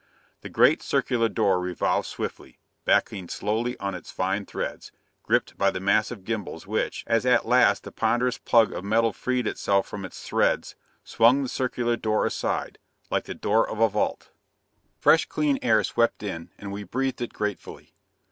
The great circular door revolved swiftly, backing slowly on its fine threads, gripped by the massive gimbals which, as at last the ponderous plug of metal freed itself from its threads, swung the circular door aside, like the door of a vault. Fresh clean air swept in, and we breathed, it gratefully.